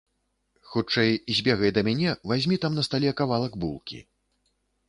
Хутчэй збегай да мяне, вазьмі там на стале кавалак булкі.